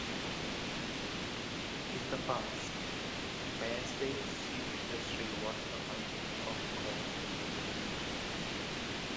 In the past, Meyersdale's chief industry was the mining of coal.